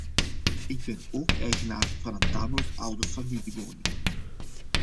Ik ben ook eigenaar van een tamelijk oude familiewoning.